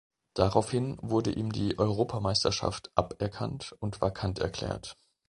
Daraufhin wurde ihm die Europameisterschaft aberkannt und vakant erklärt.